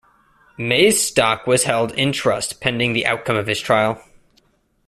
May's stock was held in trust pending the outcome of his trial.